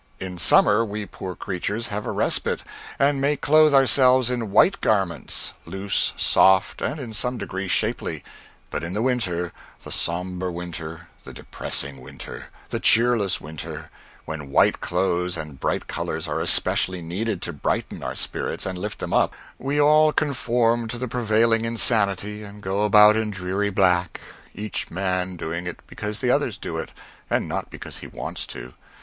In summer we poor creatures have a respite, and may clothe ourselves in white garments; loose, soft, and in some degree shapely; but in the winter the sombre winter, the depressing winter, the cheerless winter, when white clothes and bright colors are especially needed to brighten our spirits and lift them up we all conform to the prevailing insanity, and go about in dreary black, each man doing it because the others do it, and not because he wants to.